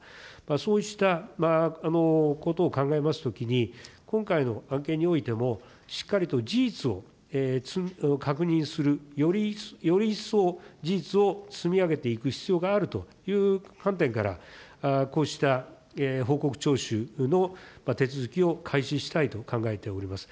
そうしたことを考えますときに、今回の案件においても、しっかりと事実を確認する、より一層事実を積み上げていく必要があるという観点から、こうした報告聴取の手続きを開始したいと考えております。